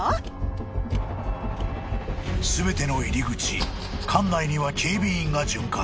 ［全ての入り口館内には警備員が巡回］